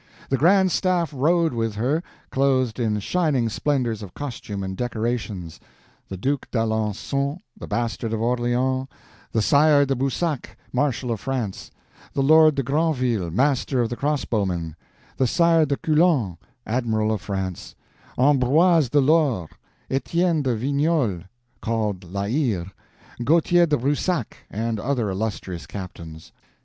The Grand Staff rode with her, clothed in shining splendors of costume and decorations: the Duke d'Alencon; the Bastard of Orleans; the Sire de Boussac, Marshal of France; the Lord de Granville, Master of the Crossbowmen; the Sire de Culan, Admiral of France; Ambroise de Lor; Etienne de Vignoles, called La Hire; Gautier de Brusac, and other illustrious captains.